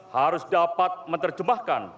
harus dapat menerjemahkan